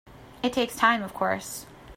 It takes time of course.